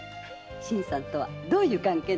新さんとはどういう関係なの？